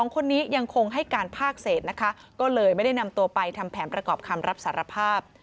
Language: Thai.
๒คนนี้ยังคงให้การภาคเศษนะคะก็เลยไม่ได้นำตัวไปทำแผนประกอบคำรับสารภาพ